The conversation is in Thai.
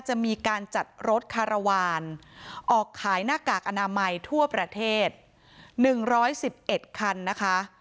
จะมีการจัดรถคารวาลออกขายหน้ากากอนามัยทั่วประเทศ๑๑๑คันนะคะ